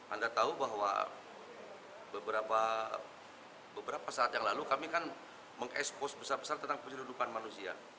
anda tahu bahwa beberapa saat yang lalu kami kan mengekspos besar besar tentang penyeludupan manusia